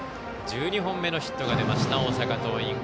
１２本目のヒットが出ました、大阪桐蔭。